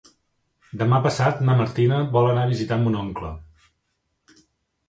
Demà passat na Martina vol anar a visitar mon oncle.